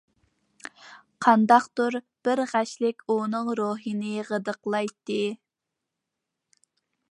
قانداقتۇر بىر غەشلىك ئۇنىڭ روھىنى غىدىقلايتتى.